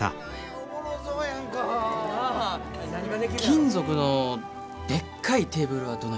金属のでっかいテーブルはどないです？